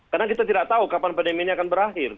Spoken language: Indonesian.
karena kita tidak tahu kapan pandemi ini akan berakhir